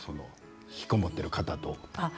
ひきこもっている方と。